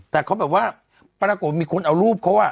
แต่เขาแบบว่าปรากฏมีคนเอารูปเขา